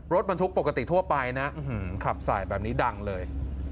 รถบรรทุกปกติทั่วไปนะขับสายแบบนี้ดังเลย